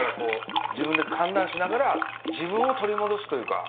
自分で判断しながら自分を取り戻すというか。